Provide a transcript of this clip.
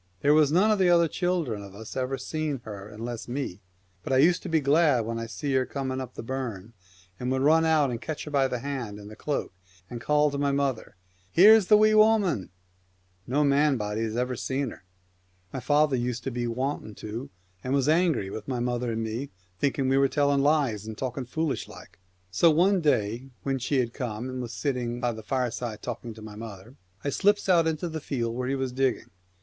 There was none of the other children of us ever seen her unless me ; but I used to be glad when I seen her coming up the burn, and would run out and catch her by the hand and the cloak, and call to my mother, " Here's the Wee Woman !" No man body ever seen her. My father used to be wanting to, and was angry with my mother and me, thinking we were telling 202 lies and talking foolish like. And so one The day when she had come, and was sitting the People by the fireside talking to my mother, I ofFaer y slips out to the field where he was digging.